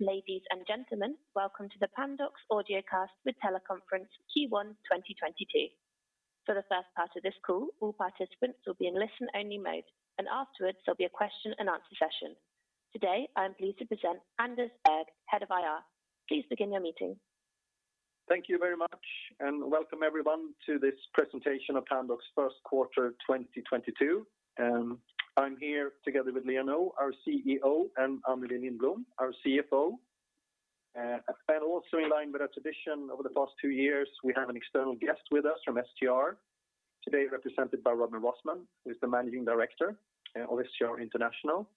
Ladies and gentlemen, welcome to the Pandox Audiocast with Teleconference Q1 2022. For the first part of this call, all participants will be in listen-only mode, and afterwards, there'll be a question-and-answer session. Today, I am pleased to present Anders Berg, Head of IR. Please begin your meeting. Thank you very much, and welcome everyone to this presentation of Pandox first quarter 2022. I'm here together with Liia Nõu, our CEO, and Anneli Lindblom, our CFO. In line with our tradition over the past two years, we have an external guest with us from STR, today represented by Robin Rossmann, who is the managing director of STR International.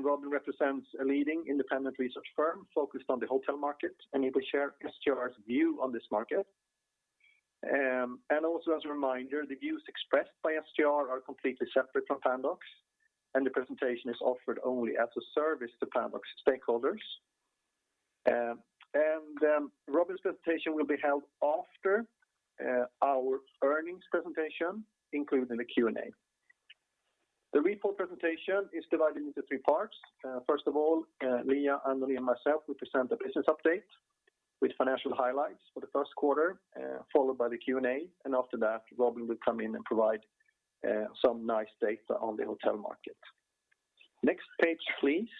Robin represents a leading independent research firm focused on the hotel market, and he will share STR's view on this market. As a reminder, the views expressed by STR are completely separate from Pandox, and the presentation is offered only as a service to Pandox stakeholders. Robin's presentation will be held after our earnings presentation, including the Q&A. The report presentation is divided into three parts. First of all, Liia, Anneli, and myself will present the business update with financial highlights for the first quarter, followed by the Q&A. After that, Robin will come in and provide some nice data on the hotel market. Next page, please.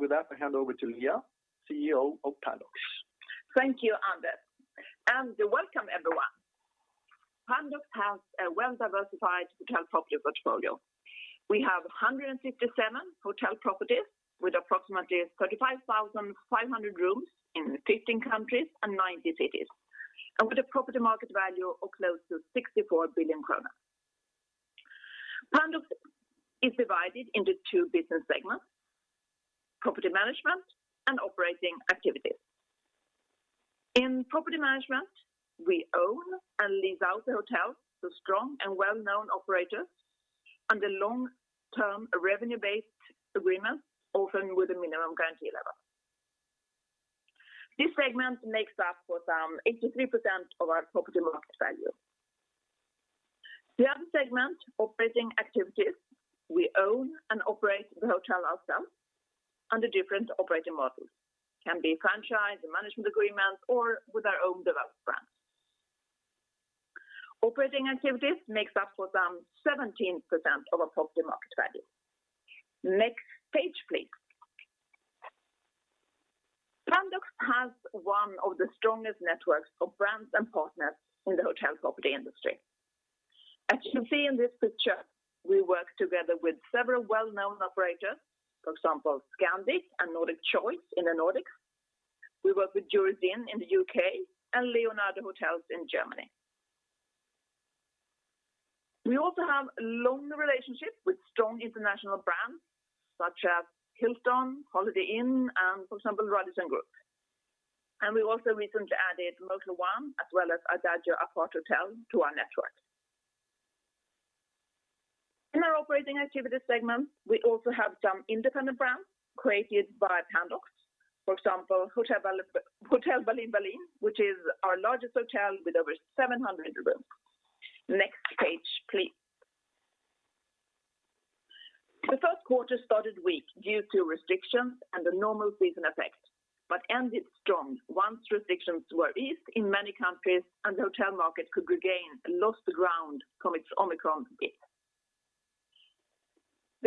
With that, I hand over to Liia, CEO of Pandox. Thank you, Anders. Welcome everyone. Pandox has a well-diversified hotel property portfolio. We have 157 hotel properties with approximately 35,500 rooms in 15 countries and 90 cities, and with a property market value of close to 64 billion kronor. Pandox is divided into two business segments: property management and operating activities. In property management, we own and lease out the hotel to strong and well-known operators under long-term revenue-based agreement, often with a minimum guarantee level. This segment makes up for some 83% of our property market value. The other segment, operating activities, we own and operate the hotel ourselves under different operating models. Can be franchise, a management agreement, or with our own developed brand. Operating activities makes up for some 17% of our property market value. Next page, please. Pandox has one of the strongest networks of brands and partners in the hotel property industry. As you see in this picture, we work together with several well-known operators, for example, Scandic and Nordic Choice in the Nordics. We work with Jurys Inn in the U.K. and Leonardo Hotels in Germany. We also have long relationships with strong international brands such as Hilton, Holiday Inn, and for example, Radisson Hotel Group. We also recently added Motel One as well as Aparthotel Adagio to our network. In our operating activity segment, we also have some independent brands created by Pandox. For example, Hotel Berlin Berlin, which is our largest hotel with over 700 rooms. Next page, please. The first quarter started weak due to restrictions and the normal season effect, but ended strong once restrictions were eased in many countries and the hotel market could regain lost ground from its Omicron dip.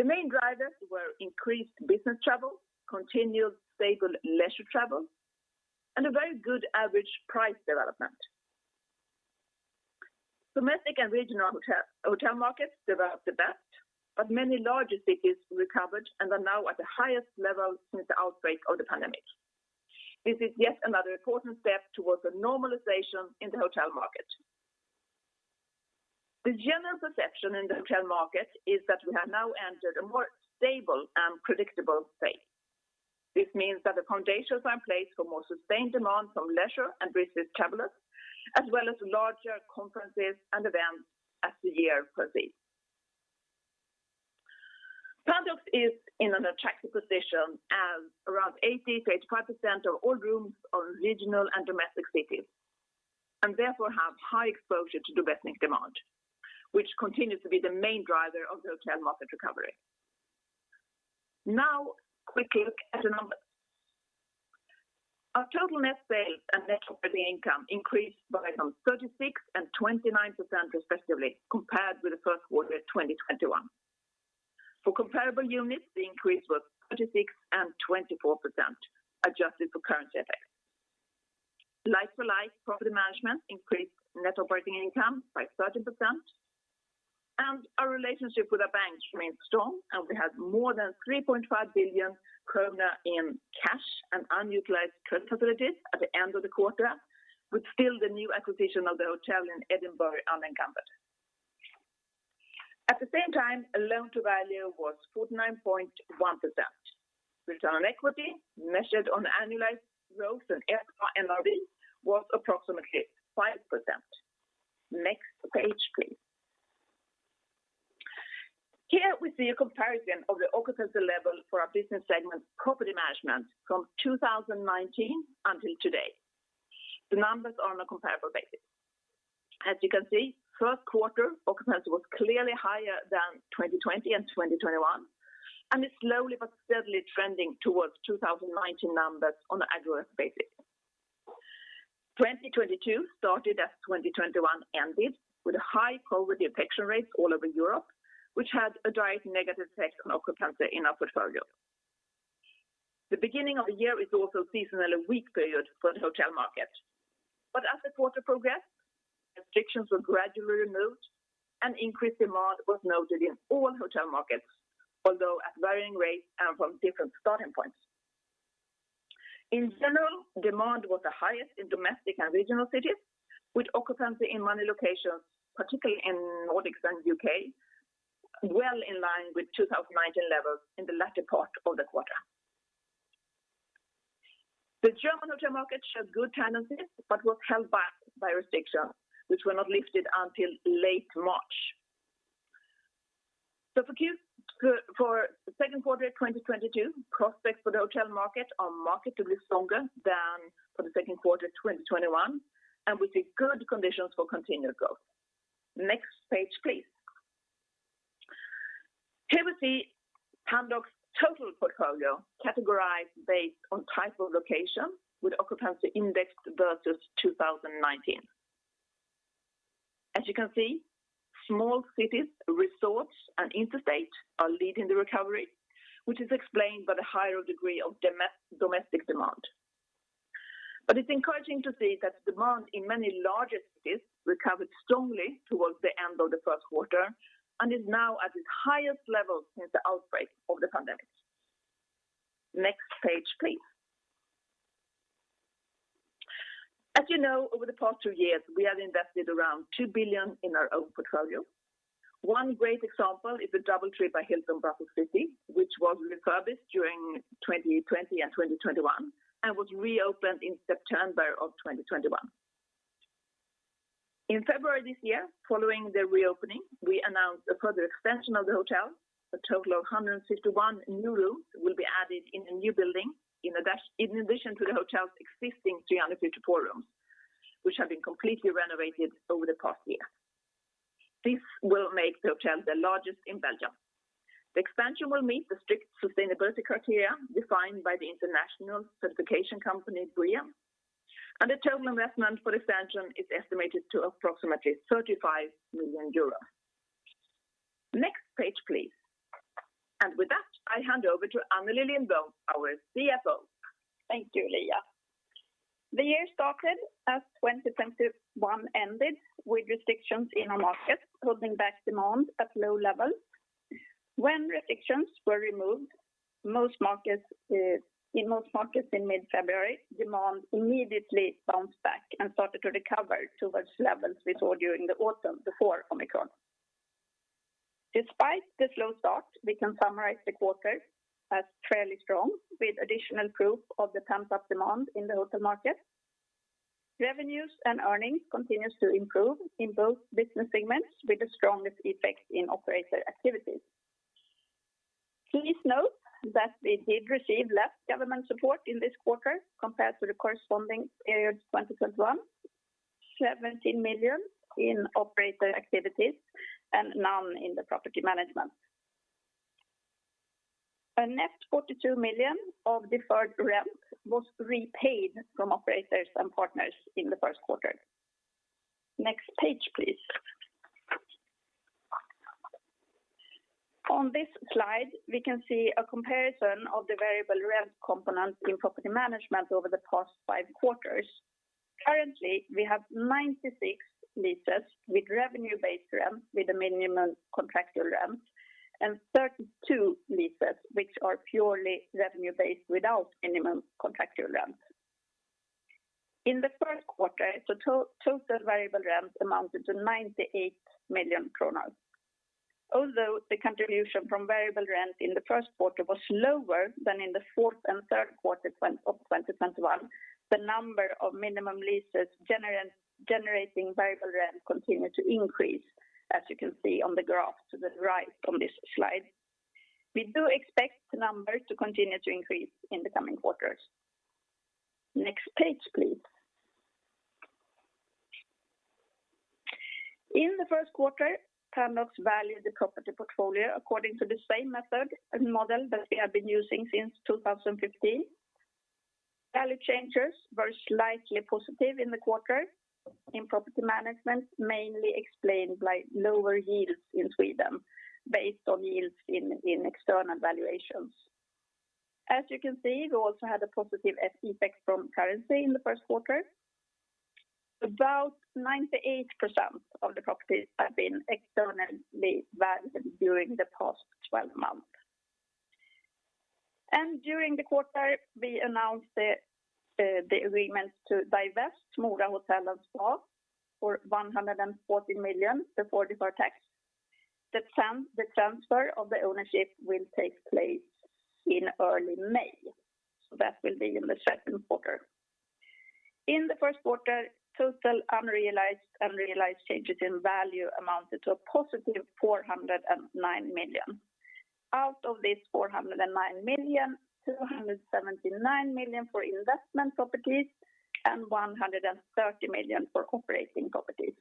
The main drivers were increased business travel, continued stable leisure travel, and a very good average price development. Domestic and regional hotel markets developed the best, but many larger cities recovered and are now at the highest level since the outbreak of the pandemic. This is yet another important step towards the normalization in the hotel market. The general perception in the hotel market is that we have now entered a more stable and predictable phase. This means that the foundations are in place for more sustained demand from leisure and business travelers, as well as larger conferences and events as the year proceeds. Pandox is in an attractive position as around 80%-80% of all rooms are regional and domestic cities, and therefore have high exposure to domestic demand, which continues to be the main driver of the hotel market recovery. Now, quickly look at the numbers. Our total net sales and net property income increased by some 36% and 29% respectively, compared with the first quarter 2021. For comparable units, the increase was 36% and 24%, adjusted for currency effects. Like for like, property management increased net operating income by 30%. Our relationship with the banks remains strong, and we have more than 3.5 billion kronor in cash and unutilized credit facilities at the end of the quarter, with still the new acquisition of the hotel in Edinburgh unencumbered. At the same time, a loan-to-value was 49.1%. Return on equity measured on annualized ROE and EPRA NRV was approximately 5%. Next page, please. Here we see a comparison of the occupancy level for our business segment property management from 2019 until today. The numbers are on a comparable basis. As you can see, first quarter occupancy was clearly higher than 2020 and 2021, and it's slowly but steadily trending towards 2019 numbers on an annual basis. 2022 started as 2021 ended, with high COVID infection rates all over Europe, which had a direct negative effect on occupancy in our portfolio. The beginning of the year is also seasonally weak period for the hotel market. As the quarter progressed, restrictions were gradually removed and increased demand was noted in all hotel markets, although at varying rates and from different starting points. In general, demand was the highest in domestic and regional cities, with occupancy in many locations, particularly in Nordics and U.K., well in line with 2019 levels in the latter part of the quarter. The German hotel market showed good tendencies but were held back by restrictions which were not lifted until late March. For the second quarter 2022, prospects for the hotel market are markedly stronger than for the second quarter 2021, and we see good conditions for continued growth. Next page, please. Here we see Pandox total portfolio categorized based on type of location with occupancy indexed versus 2019. As you can see, small cities, resorts, and interstate are leading the recovery, which is explained by the higher degree of domestic demand. It's encouraging to see that demand in many larger cities recovered strongly towards the end of the first quarter and is now at its highest level since the outbreak of the pandemic. Next page, please. As you know, over the past two years, we have invested around 2 billion in our own portfolio. One great example is the DoubleTree by Hilton Brussels City, which was refurbished during 2020 and 2021 and was reopened in September of 2021. In February this year, following the reopening, we announced a further extension of the hotel. A total of 151 new rooms will be added in a new building in addition to the hotel's existing 354 rooms, which have been completely renovated over the past year. This will make the hotel the largest in Belgium. The expansion will meet the strict sustainability criteria defined by the international certification company BREEAM, and the total investment for expansion is estimated to approximately 35 million euros. Next page, please. With that, I hand over to Anneli Lindblom, our CFO. Thank you, Liia. The year started as 2021 ended, with restrictions in our markets holding back demand at low levels. When restrictions were removed, most markets in mid-February, demand immediately bounced back and started to recover towards levels we saw during the autumn before Omicron. Despite the slow start, we can summarize the quarter as fairly strong, with additional proof of the pent-up demand in the hotel market. Revenues and earnings continues to improve in both business segments, with the strongest effect in operator activities. Please note that we did receive less government support in this quarter compared to the corresponding period 2021, 17 million in operator activities and none in the property management. A net 42 million of deferred rent was repaid from operators and partners in the first quarter. Next page, please. On this slide, we can see a comparison of the variable rent component in property management over the past five quarters. Currently, we have 96 leases with revenue-based rent with a minimum contractual rent, and 32 leases which are purely revenue-based without minimum contractual rent. In the first quarter, the total variable rent amounted to 98 million kronor. Although the contribution from variable rent in the first quarter was lower than in the fourth and third quarter of 2021, the number of minimum leases generating variable rent continued to increase, as you can see on the graph to the right on this slide. We do expect the numbers to continue to increase in the coming quarters. Next page, please. In the first quarter, Pandox valued the property portfolio according to the same method and model that we have been using since 2015. Value changes were slightly positive in the quarter in property management, mainly explained by lower yields in Sweden based on yields in external valuations. As you can see, we also had a positive effect from currency in the first quarter. About 98% of the properties have been externally valued during the past 12 months. During the quarter, we announced the agreement to divest Mora Hotell & Spa for 140 million before deferred tax. The transfer of the ownership will take place in early May. That will be in the second quarter. In the first quarter, total unrealized changes in value amounted to a positive 409 million. Out of this 409 million, 279 million for investment properties and 130 million for operating properties.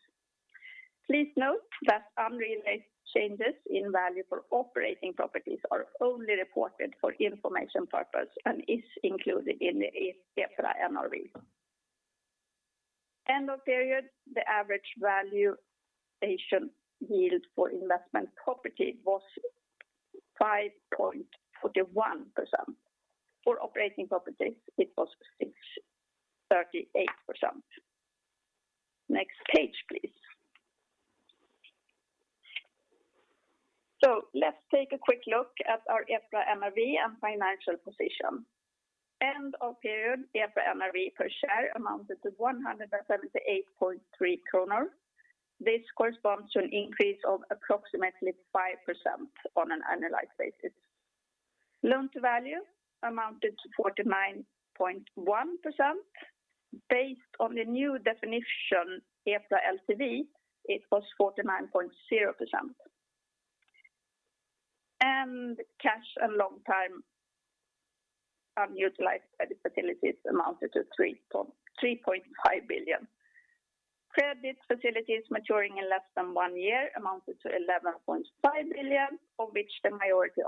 Please note that some related changes in value for operating properties are only reported for informational purposes and are included in the EPRA NRV. End of period, the average valuation yield for investment property was 5.41%. For operating properties, it was 6.38%. Next page, please. Let's take a quick look at our EPRA NRV and financial position. End of period, EPRA NRV per share amounted to 178.3 kronor. This corresponds to an increase of approximately 5% on an annualized basis. Loan to value amounted to 49.1%. Based on the new definition, EPRA LTV, it was 49.0%. Cash and undrawn long-term credit facilities amounted to 3.5 billion. Credit facilities maturing in less than one year amounted to 11.5 billion, of which the majority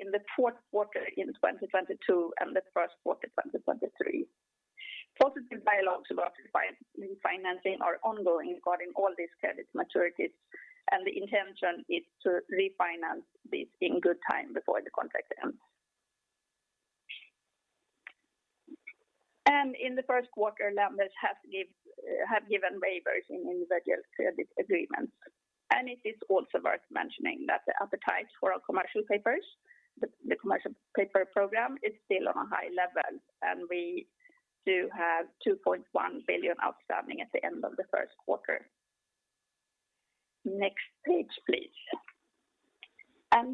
in the fourth quarter in 2022 and the first quarter 2023. Positive dialogues about financing are ongoing regarding all these credit maturities, and the intention is to refinance this in good time before the contract ends. In the first quarter, lenders have given waivers in individual credit agreements. It is also worth mentioning that the appetite for our commercial papers, the commercial paper program, is still on a high level, and we do have 2.1 billion outstanding at the end of the first quarter. Next page, please.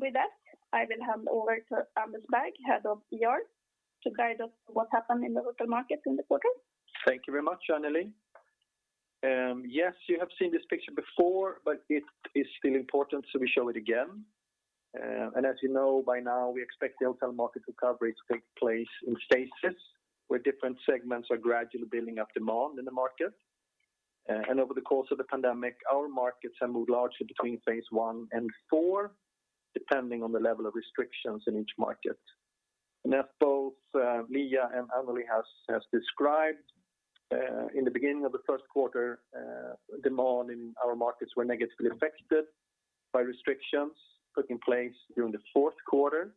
With that, I will hand over to Anders Berg, Head of IR, to guide us what happened in the hotel markets in the quarter. Thank you very much, Anneli. Yes, you have seen this picture before, but it is still important, so we show it again. As you know by now, we expect the hotel market recovery to take place in stages where different segments are gradually building up demand in the market. Over the course of the pandemic, our markets have moved largely between phase one and four, depending on the level of restrictions in each market. As both Liia and Anneli has described, in the beginning of the first quarter, demand in our markets were negatively affected by restrictions taking place during the fourth quarter.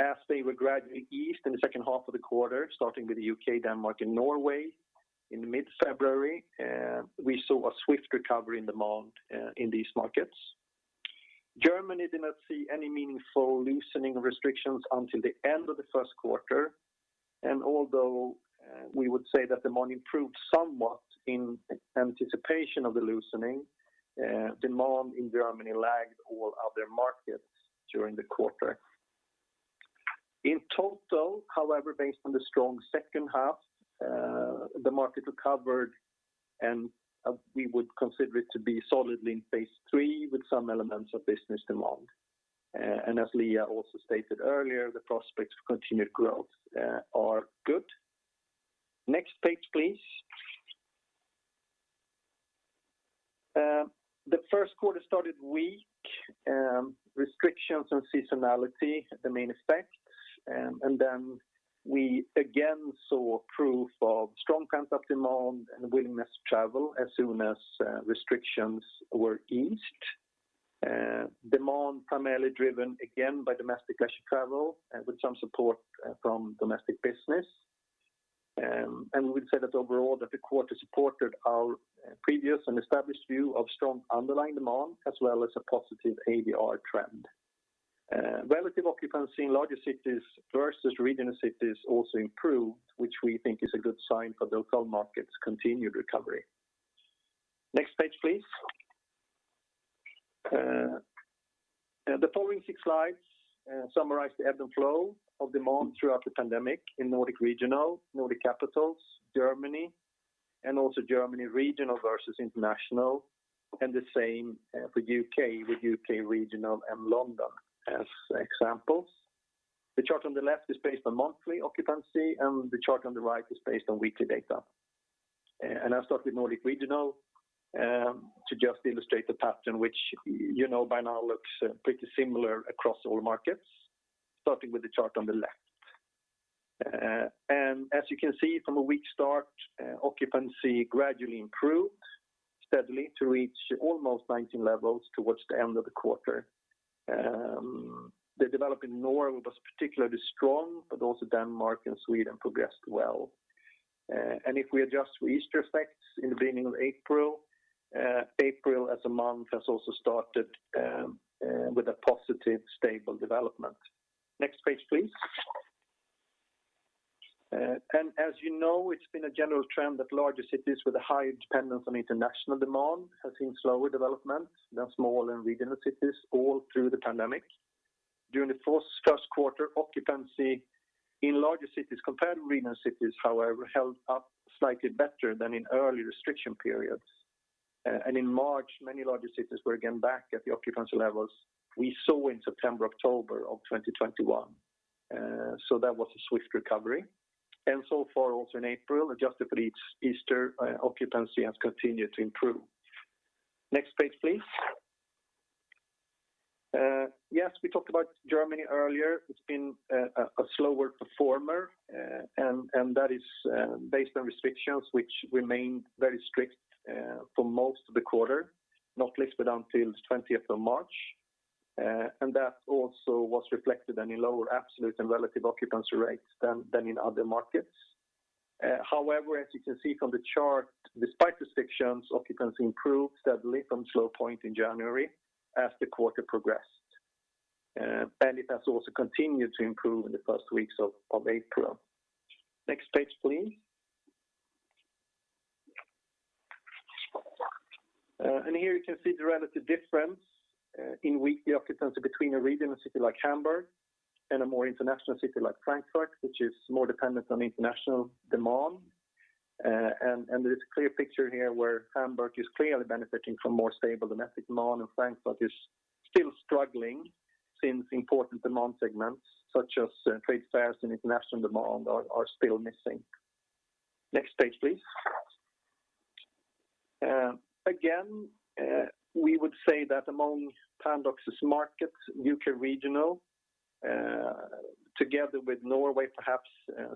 As they were gradually eased in the second half of the quarter, starting with the U.K., Denmark, and Norway in mid-February, we saw a swift recovery in demand in these markets. Germany did not see any meaningful loosening restrictions until the end of the first quarter. Although, we would say that demand improved somewhat in anticipation of the loosening, demand in Germany lagged all other markets during the quarter. In total, however, based on the strong second half, the market recovered, and we would consider it to be solidly in phase three with some elements of business demand. As Liia also stated earlier, the prospects for continued growth are good. Next page, please. The first quarter started weak, restrictions on seasonality, the main effect. Then we again saw proof of strong pent-up demand and willingness to travel as soon as restrictions were eased. Demand primarily driven again by domestic leisure travel, with some support from domestic business. We'd say that overall that the quarter supported our previous and established view of strong underlying demand as well as a positive ADR trend. Relative occupancy in larger cities versus regional cities also improved, which we think is a good sign for the hotel market's continued recovery. Next page, please. The following six slides summarize the ebb and flow of demand throughout the pandemic in Nordic regional, Nordic capitals, Germany, and also Germany regional versus international, and the same for U.K., with U.K. regional and London as examples. The chart on the left is based on monthly occupancy, and the chart on the right is based on weekly data. I'll start with Nordic regional to just illustrate the pattern which you know by now looks pretty similar across all markets, starting with the chart on the left. As you can see from a weak start, occupancy gradually improved steadily to reach almost 19% towards the end of the quarter. The development in Norway was particularly strong, but also Denmark and Sweden progressed well. If we adjust for Easter effects in the beginning of April as a month has also started with a positive stable development. Next page, please. As you know, it's been a general trend that larger cities with a high dependence on international demand have seen slower development than small and regional cities all through the pandemic. During the first quarter, occupancy in larger cities compared to regional cities, however, held up slightly better than in early restriction periods. In March, many larger cities were again back at the occupancy levels we saw in September, October of 2021. That was a swift recovery. So far also in April, adjusted for Easter, occupancy has continued to improve. Next page, please. Yes, we talked about Germany earlier. It's been a slower performer, and that is based on restrictions which remained very strict for most of the quarter, not lifted until 20th of March. That also was reflected in a lower absolute and relative occupancy rates than in other markets. However, as you can see from the chart, despite restrictions, occupancy improved steadily from low point in January as the quarter progressed. It has also continued to improve in the first weeks of April. Next page, please. Here you can see the relative difference in weekly occupancy between a regional city like Hamburg and a more international city like Frankfurt, which is more dependent on international demand. There is a clear picture here where Hamburg is clearly benefiting from more stable domestic demand and Frankfurt is still struggling since important demand segments such as trade fairs and international demand are still missing. Next page, please. Again, we would say that among Pandox's markets, U.K. regional, together with Norway perhaps,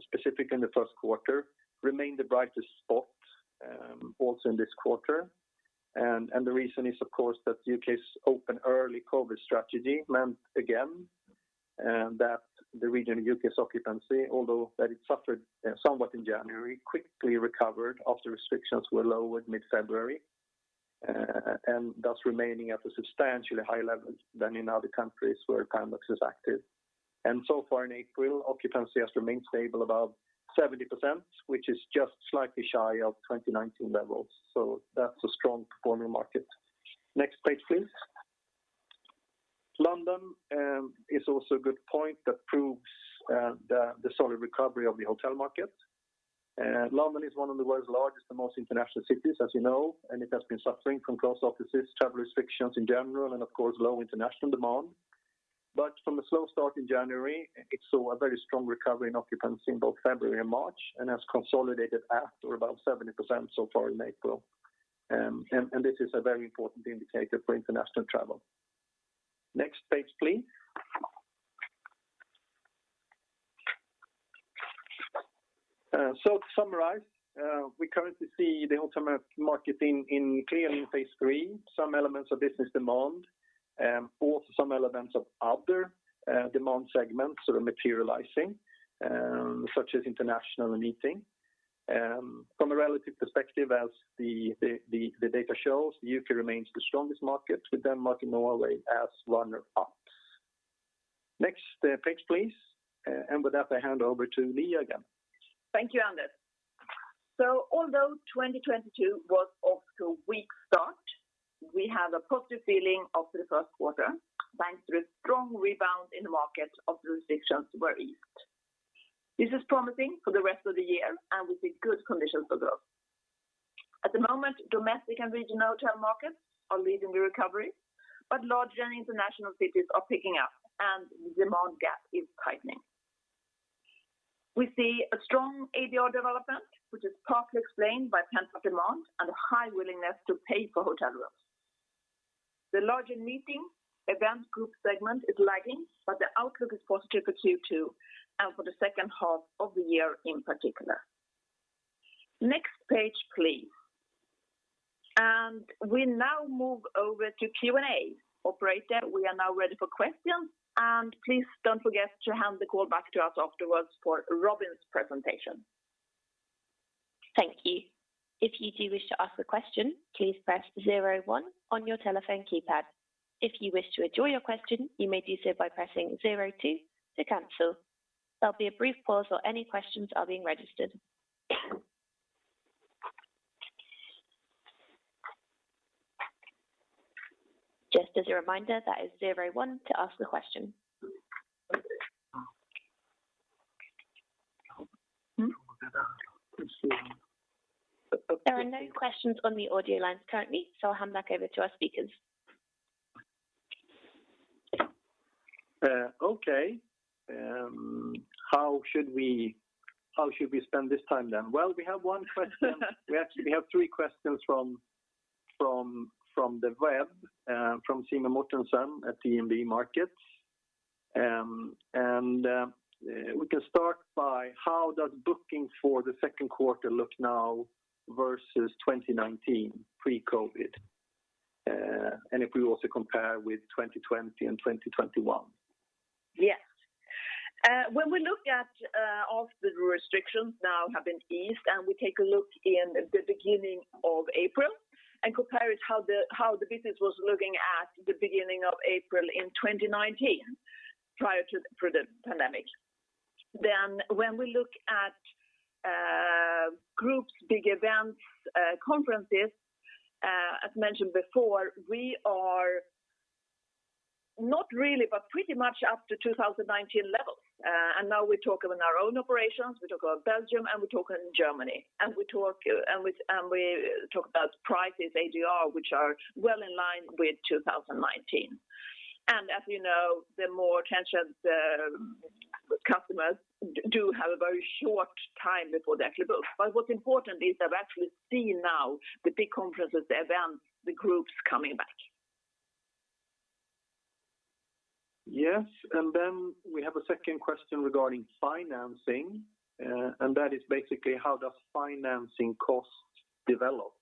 specifically in the first quarter, remained the brightest spot, also in this quarter. The reason is of course that U.K.'s open early COVID strategy meant again that the region U.K.'s occupancy, although that it suffered somewhat in January, quickly recovered after restrictions were lowered mid-February, and thus remaining at a substantially higher level than in other countries where Pandox is active. So far in April, occupancy has remained stable above 70%, which is just slightly shy of 2019 levels. That's a strong performer market. Next page, please. London is also a good point that proves the solid recovery of the hotel market. London is one of the world's largest and most international cities, as you know, and it has been suffering from closed offices, travel restrictions in general, and of course, low international demand. From a slow start in January, it saw a very strong recovery in occupancy in both February and March and has consolidated at or about 70% so far in April. This is a very important indicator for international travel. Next page, please. To summarize, we currently see the ultimate market clearly in Phase 3, some elements of business demand, also some elements of other demand segments that are materializing, such as international meeting. From a relative perspective as the data shows, the U.K. remains the strongest market with Denmark and Norway as runner-ups. Next page, please. With that, I hand over to Liia again. Thank you, Anders. Although 2022 was off to a weak start, we have a positive feeling after the first quarter, thanks to a strong rebound in the market after restrictions were eased. This is promising for the rest of the year, and we see good conditions for growth. At the moment, domestic and regional town markets are leading the recovery, but larger and international cities are picking up and demand gap is tightening. We see a strong ADR development, which is partly explained by pent-up demand and high willingness to pay for hotel rooms. The larger meeting events group segment is lagging, but the outlook is positive for Q2 and for the second half of the year in particular. Next page, please. We now move over to Q&A. Operator, we are now ready for questions. Please don't forget to hand the call back to us afterwards for Robin's presentation. Thank you. If you do wish to ask a question, please press zero one on your telephone keypad. If you wish to withdraw your question, you may do so by pressing zero two to cancel. There'll be a brief pause while any questions are being registered. Just as a reminder, that is star one to ask the question. There are no questions on the audio lines currently, so I'll hand back over to our speakers. How should we spend this time then? Well, we have one question. We actually have three questions from the web, from Simon Mortensen at DNB Markets. We can start by how does booking for the second quarter look now versus 2019 pre-COVID? If we also compare with 2020 and 2021. Yes. When we look at all of the restrictions now have been eased, and we take a look in the beginning of April and compare it to how the business was looking at the beginning of April in 2019 prior to the pandemic. When we look at groups, big events, conferences. As mentioned before, we are not really, but pretty much up to 2019 levels. Now we're talking in our own operations. We're talking about Belgium, and we're talking in Germany. We talk about prices, ADR, which are well in line with 2019. As you know, the more attention the customers do have a very short time before they actually book. What's important is I've actually seen now the big conferences, the events, the groups coming back. Yes. We have a second question regarding financing. That is basically how does financing costs develop?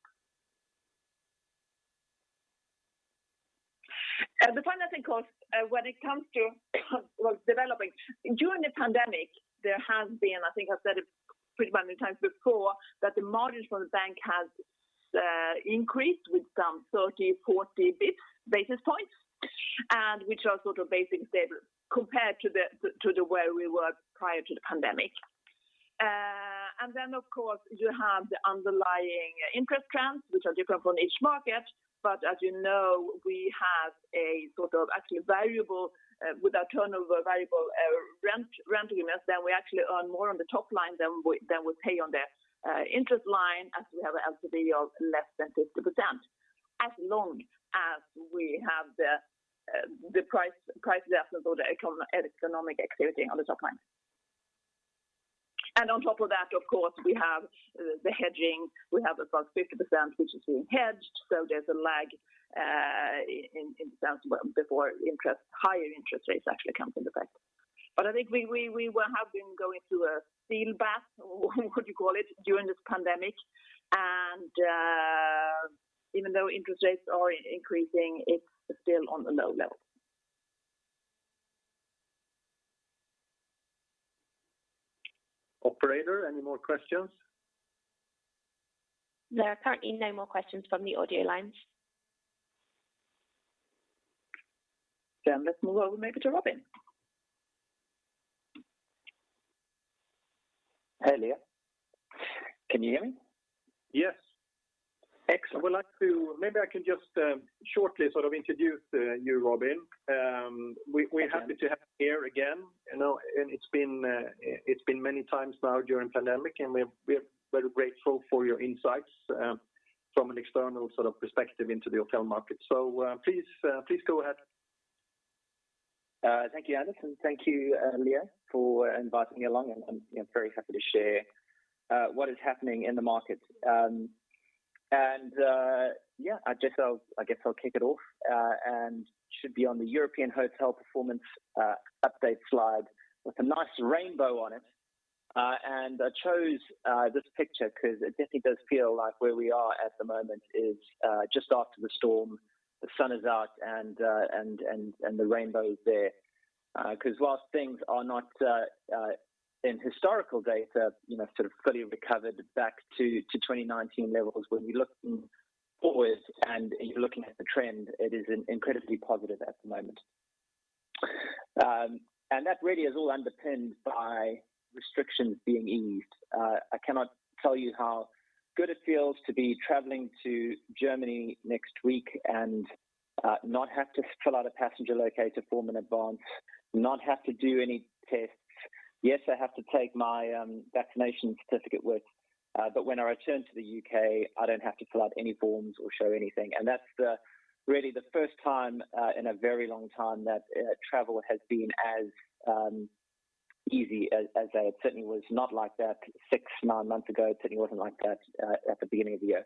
The financing costs when it comes to developing. During the pandemic, there has been, I think I've said it pretty many times before, that the margins from the bank has increased with some 30, 40 basis points, and which are sort of basically stable compared to the to the way we were prior to the pandemic. Of course, you have the underlying interest trends, which are different from each market. As you know, we have a sort of actually variable with our turnover variable rent units that we actually earn more on the top line than we pay on the interest line as we have an LTV of less than 50%, as long as we have the price development or the economic activity on the top line. On top of that, of course, we have the hedging. We have about 50% which is being hedged, so there's a lag in terms of before higher interest rates actually comes into effect. I think we will have been going through a steel bath, what would you call it, during this pandemic. Even though interest rates are increasing, it's still on the low level. Operator, any more questions? There are currently no more questions from the audio lines. Let's move over maybe to Robin. Hey, Liia. Can you hear me? Yes. Excellent. Maybe I can just shortly sort of introduce you, Robin Rossmann. Okay. We're happy to have you here again. You know, it's been many times now during pandemic, and we're very grateful for your insights, from an external sort of perspective into the hotel market. Please go ahead. Thank you, Anders, and thank you, Liia, for inviting me along. I'm you know very happy to share what is happening in the market. I guess I'll kick it off and should be on the European Hotel Performance update slide with a nice rainbow on it. I chose this picture 'cause it definitely does feel like where we are at the moment is just after the storm. The sun is out and the rainbow is there. Because whilst things are not in historical data you know sort of fully recovered back to 2019 levels, when you're looking forward and you're looking at the trend, it is incredibly positive at the moment. That really is all underpinned by restrictions being eased. I cannot tell you how good it feels to be traveling to Germany next week and not have to fill out a passenger locator form in advance, not have to do any tests. Yes, I have to take my vaccination certificate with, but when I return to the U.K., I don't have to fill out any forms or show anything. That's really the first time in a very long time that travel has been as easy as I. It certainly was not like that six to nine months ago. It certainly wasn't like that at the beginning of the year.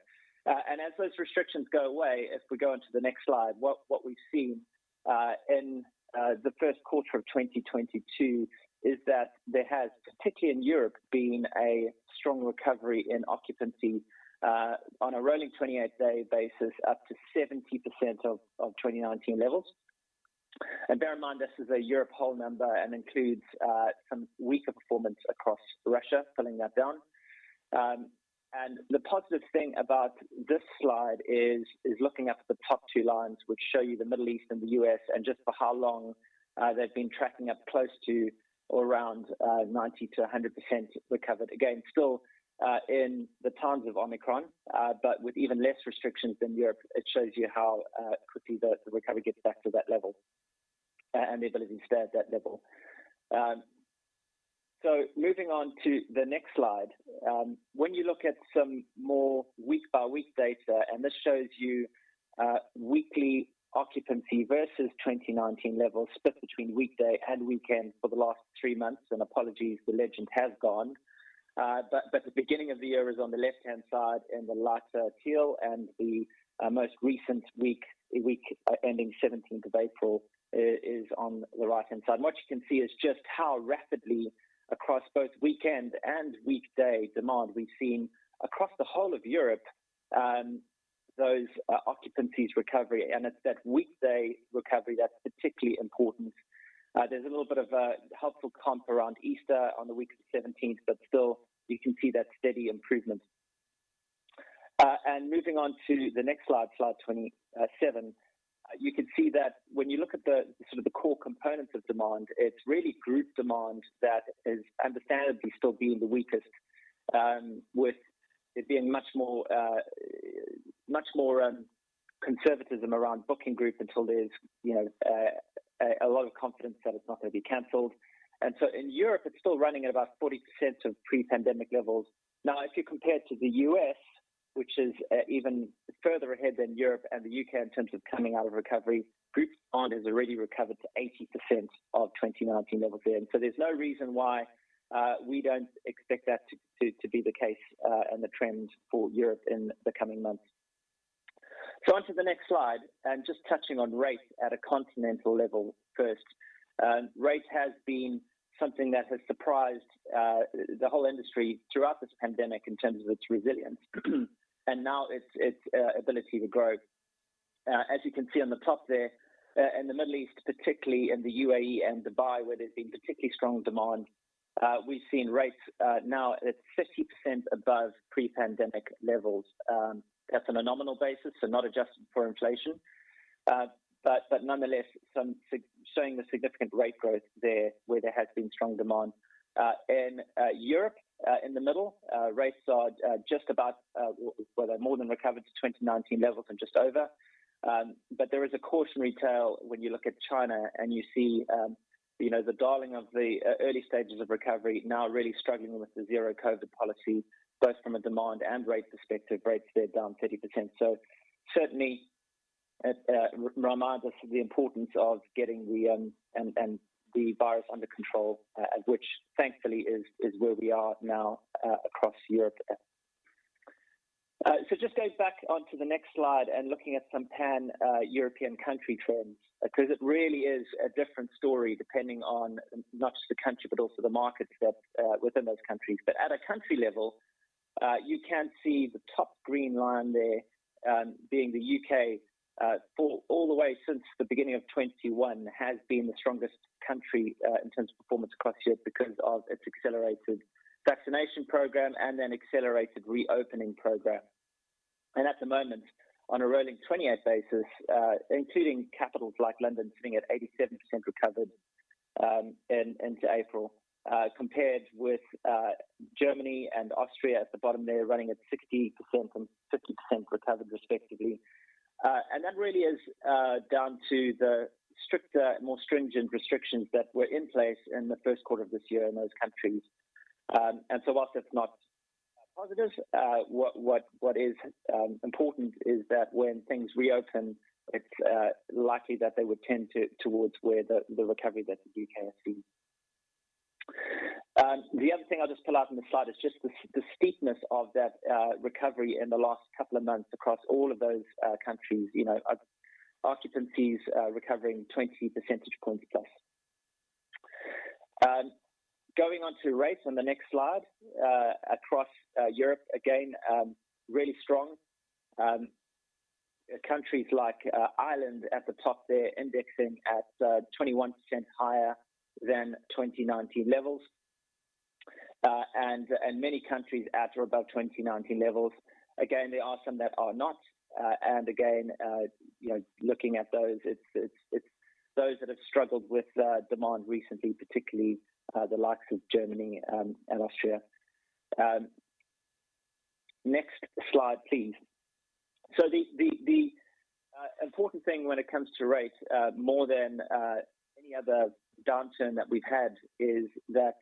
As those restrictions go away, if we go onto the next slide, what we've seen in the first quarter of 2022 is that there has, particularly in Europe, been a strong recovery in occupancy on a rolling 28-day basis, up to 70% of 2019 levels. Bear in mind, this is a Europe-wide number and includes some weaker performance across Russia, pulling that down. The positive thing about this slide is looking up at the top two lines, which show you the Middle East and the U.S., and just for how long they've been tracking up close to around 90%-100% recovered. Again, still in the times of Omicron, but with even less restrictions than Europe. It shows you how quickly the recovery gets back to that level, and the ability to stay at that level. Moving on to the next slide. When you look at some more week-by-week data, and this shows you weekly occupancy versus 2019 levels split between weekday and weekend for the last three months. Apologies, the legend has gone. The beginning of the year is on the left-hand side in the lighter teal, and the most recent week ending seventeenth of April is on the right-hand side. What you can see is just how rapidly across both weekend and weekday demand we've seen across the whole of Europe, those occupancies recovery. It's that weekday recovery that's particularly important. There's a little bit of a helpful comp around Easter on the week of the 17th, but still, you can see that steady improvement. Moving on to the next Slide 27. You can see that when you look at the sort of the core components of demand, it's really group demand that is understandably still being the weakest, with it being much more conservatism around booking group until there's, you know, a lot of confidence that it's not gonna be canceled. In Europe, it's still running at about 40% of pre-pandemic levels. Now, if you compare to the US, which is even further ahead than Europe and the U.K. in terms of coming out of recovery, group demand has already recovered to 80% of 2019 levels there. There's no reason why we don't expect that to be the case and the trend for Europe in the coming months. Onto the next slide, and just touching on rates at a continental level first. Rates has been something that has surprised the whole industry throughout this pandemic in terms of its resilience and now its ability to grow. As you can see on the top there, in the Middle East, particularly in the UAE and Dubai, where there's been particularly strong demand, we've seen rates now at 50% above pre-pandemic levels, that's on a nominal basis, so not adjusted for inflation. But nonetheless showing a significant rate growth there where there has been strong demand. In Europe, in the middle, rates are just about well, they're more than recovered to 2019 levels and just over. But there is a cautionary tale when you look at China and you see, you know, the darling of the early stages of recovery now really struggling with the zero COVID policy, both from a demand and rate perspective. Rates there down 30%. Certainly reminds us of the importance of getting the virus under control, which thankfully is where we are now across Europe. Just going back onto the next slide and looking at some pan-European country trends, because it really is a different story depending on not just the country, but also the markets within those countries. At a country level, you can see the top green line there, being the U.K., for all the way since the beginning of 2021 has been the strongest country, in terms of performance across Europe because of its accelerated vaccination program and then accelerated reopening program. At the moment, on a rolling 28 basis, including capitals like London sitting at 87% recovered, into April, compared with Germany and Austria at the bottom there running at 60% and 50% recovered respectively. That really is down to the stricter, more stringent restrictions that were in place in the first quarter of this year in those countries. While that's not positive, what is important is that when things reopen, it's likely that they would tend towards where the recovery that the U.K. has seen. The other thing I'll just pull out from the slide is just the steepness of that recovery in the last couple of months across all of those countries. You know, occupancies recovering 20 percentage points plus. Going on to rates on the next slide, across Europe, again, really strong. Countries like Ireland at the top there indexing at 21% higher than 2019 levels. Many countries at or above 2019 levels. Again, there are some that are not, and again, you know, looking at those, it's those that have struggled with demand recently, particularly, the likes of Germany, and Austria. Next slide, please. The important thing when it comes to rates, more than any other downturn that we've had is that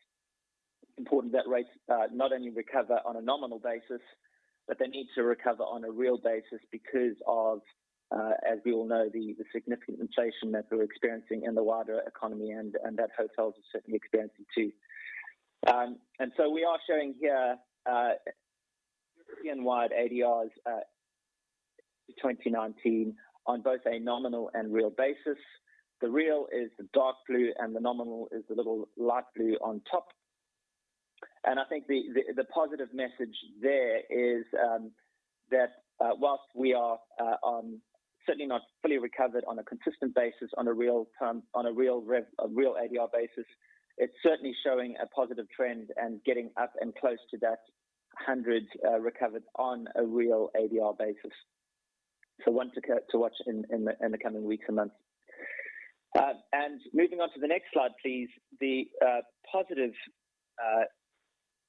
important that rates not only recover on a nominal basis, but they need to recover on a real basis because of, as we all know, the significant inflation that we're experiencing in the wider economy and that hotels are certainly experiencing too. We are showing here European-wide ADRs to 2019 on both a nominal and real basis. The real is the dark blue and the nominal is the little light blue on top. I think the positive message there is that certainly not fully recovered on a consistent basis on a real ADR basis. It's certainly showing a positive trend and getting up and close to that 100 recovered on a real ADR basis. One to watch in the coming weeks and months. Moving on to the next slide, please. The positive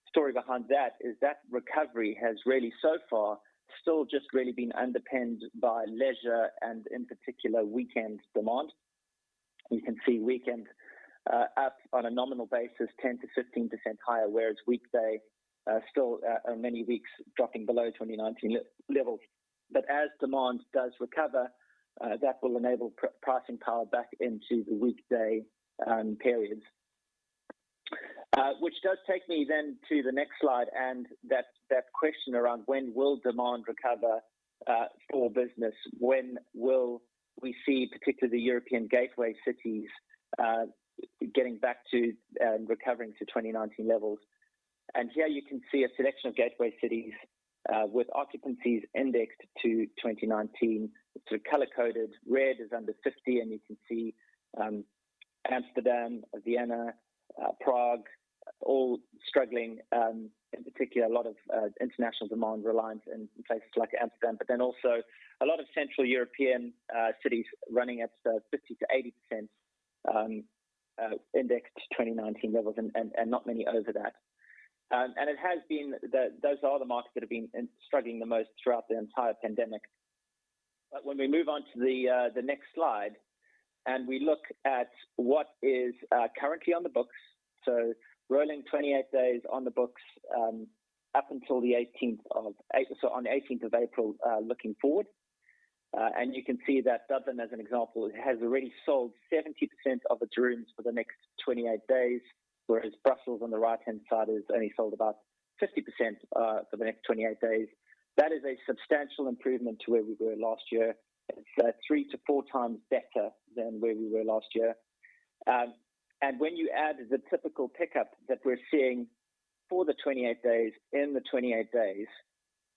story behind that is that recovery has really so far still just really been underpinned by leisure and in particular weekend demand. You can see weekend up on a nominal basis 10%-15% higher, whereas weekday still are many weeks dropping below 2019 levels. As demand does recover, that will enable pricing power back into the weekday periods. Which does take me then to the next slide and that question around when will demand recover for business. When will we see particularly the European gateway cities getting back to recovering to 2019 levels? Here you can see a selection of gateway cities with occupancies indexed to 2019. Sort of color-coded, red is under 50, and you can see Amsterdam, Vienna, Prague, all struggling, in particular, a lot of international demand reliance in places like Amsterdam, but then also a lot of Central European cities running at 50%-80% index to 2019 levels and not many over that. It has been those are the markets that have been struggling the most throughout the entire pandemic. When we move on to the next slide and we look at what is currently on the books, so rolling 28 days on the books, up until the 18th of April, looking forward. You can see that Dublin, as an example, has already sold 70% of its rooms for the next 28 days, whereas Brussels on the right-hand side has only sold about 50%, for the next 28 days. That is a substantial improvement to where we were last year. It's three to four times better than where we were last year. When you add the typical pickup that we're seeing for the 28 days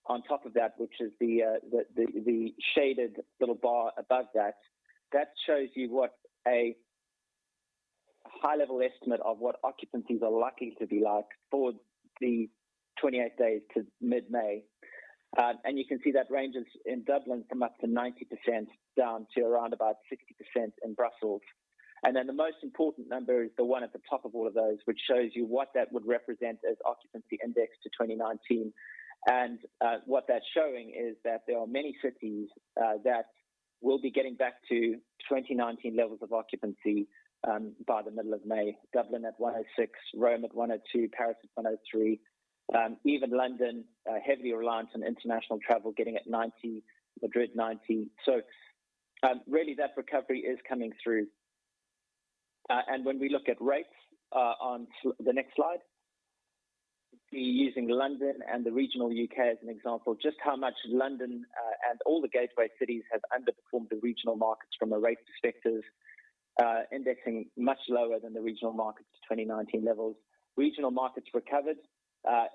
on top of that, which is the shaded little bar above that shows you what a high-level estimate of what occupancies are likely to be like for the 28 days to mid-May. You can see that ranges in Dublin from up to 90% down to around about 60% in Brussels. The most important number is the one at the top of all of those, which shows you what that would represent as occupancy index to 2019. What that's showing is that there are many cities that will be getting back to 2019 levels of occupancy by the middle of May. Dublin at 106%, Rome at 102%, Paris at 103%. Even London, heavily reliant on international travel, getting at 90%, Madrid 90%. Really, that recovery is coming through. When we look at rates, the next slide, we're using London and the regional U.K. as an example, just how much London and all the gateway cities have underperformed the regional markets from a rates perspective, indexing much lower than the regional markets to 2019 levels. Regional markets recovered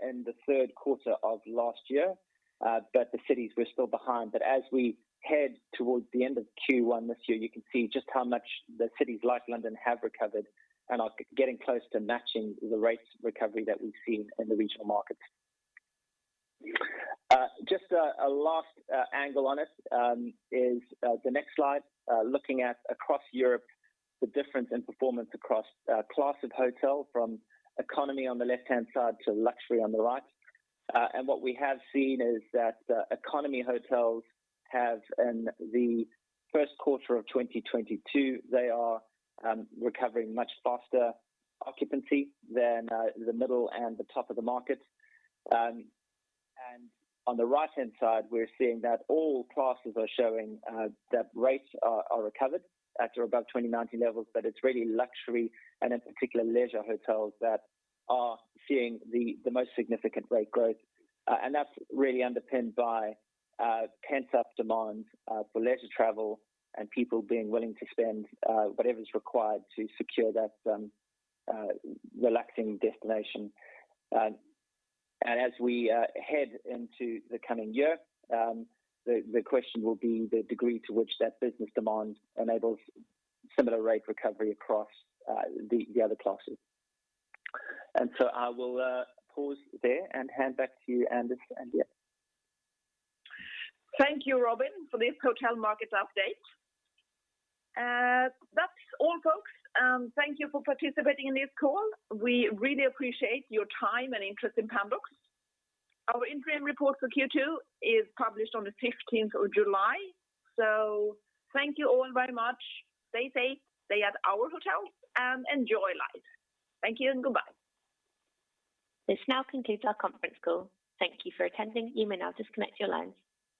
in the third quarter of last year, but the cities were still behind. As we head towards the end of Q1 this year, you can see just how much the cities like London have recovered and are getting close to matching the rates recovery that we've seen in the regional markets. Just a last angle on it is the next slide, looking across Europe, the difference in performance across class of hotel from economy on the left-hand side to luxury on the right. What we have seen is that economy hotels have in the first quarter of 2022, they are recovering much faster occupancy than the middle and the top of the market. On the right-hand side, we're seeing that all classes are showing that rates are recovered at or above 2019 levels, but it's really luxury and in particular leisure hotels that are seeing the most significant rate growth. That's really underpinned by pent-up demand for leisure travel and people being willing to spend whatever is required to secure that relaxing destination. As we head into the coming year, the question will be the degree to which that business demand enables similar rate recovery across the other classes. I will pause there and hand back to you, Anders and Liia. Thank you, Robin, for this hotel markets update. That's all, folks. Thank you for participating in this call. We really appreciate your time and interest in Pandox. Our interim report for Q2 is published on the fifteenth of July. Thank you all very much. Stay safe, stay at our hotel, and enjoy life. Thank you and goodbye. This now concludes our conference call. Thank you for attending. You may now disconnect your lines.